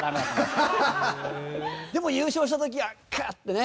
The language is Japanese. でも優勝した時はクッ！ってね。